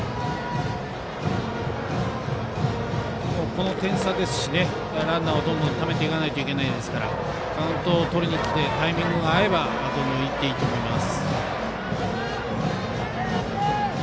この点差ですしランナーをためていかなければいけませんからカウントをとりにきてタイミングが合えばどんどん、いっていいと思います。